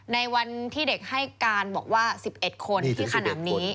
ในวันที่เด็กให้การบอกว่า๑๑คนที่ขนำนี้